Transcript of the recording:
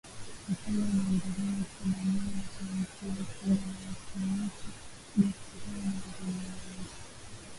Uchumi unaendelea kukabiliwa na shinikizo kubwa la mfumuko wa bei kutokana na mazingira ya nje.